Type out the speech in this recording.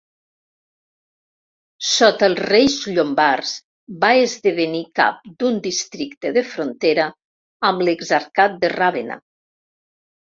Sota els reis llombards va esdevenir cap d'un districte de frontera amb l'Exarcat de Ravenna.